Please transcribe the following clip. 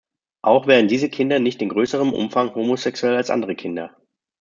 Auch werden diese Kinder nicht in größerem Umfang homosexuell als andere Kinder.